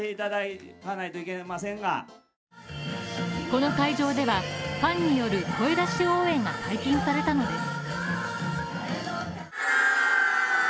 この会場ではファンによる声出し応援が解禁されたのです。